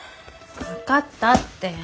分かったって。